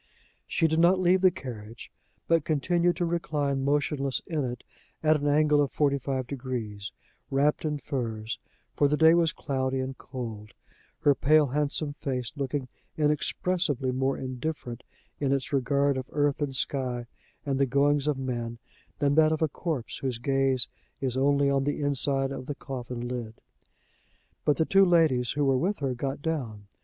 She did not leave the carriage, but continued to recline motionless in it, at an angle of forty five degrees, wrapped in furs, for the day was cloudy and cold, her pale handsome face looking inexpressibly more indifferent in its regard of earth and sky and the goings of men, than that of a corpse whose gaze is only on the inside of the coffin lid. But the two ladies who were with her got down.